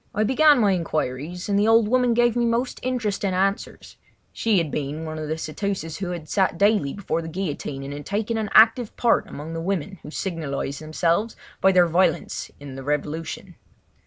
I began my inquiries, and the old woman gave me most interesting answers—she had been one of the ceteuces who sat daily before the guillotine and had taken an active part among the women who signalised themselves by their violence in the revolution.